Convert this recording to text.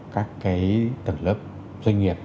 các cái tầng lớp doanh nghiệp